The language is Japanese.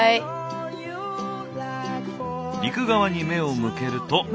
陸側に目を向けると。